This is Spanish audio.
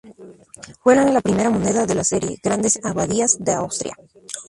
Fue la primera moneda de la serie "Grandes abadías de Austria".